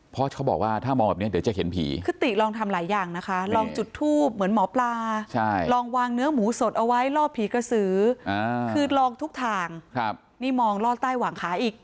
เพราะเขาบอกว่าถ้ามองแบบนี้เดี๋ยวจะเห็นผีคือติลองทำหลายอย่างนะคะลองจุดทูบเหมือนหมอปลาลองวางเนื้อหมูสดเอาไว้ล่อผีกระสือคือลองทุกทางนี่มองล่อใต้หวังขาอีก